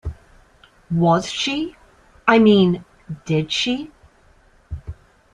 Was she? — I mean, did she?